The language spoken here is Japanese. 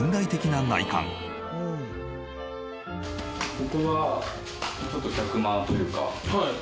ここはちょっと客間というか。